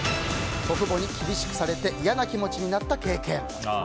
祖父母に厳しくされて嫌な気持ちになった経験。